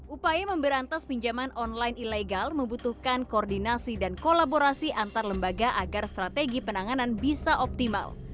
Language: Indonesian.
upaya memberantas pinjaman online ilegal membutuhkan koordinasi dan kolaborasi antar lembaga agar strategi penanganan bisa optimal